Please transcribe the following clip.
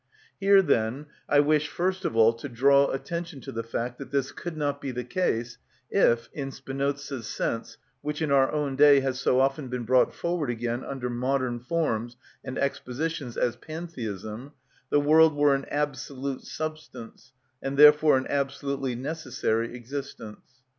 Here, then, I wish first of all to draw attention to the fact that this could not be the case if, in Spinoza's sense, which in our own day has so often been brought forward again under modern forms and expositions as pantheism, the world were an "absolute substance," and therefore an absolutely necessary existence.